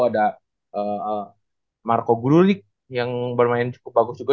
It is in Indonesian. ada marco brulik yang bermain cukup bagus juga